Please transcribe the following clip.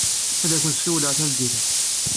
Ad ak-n-siwleɣ tameddit-a.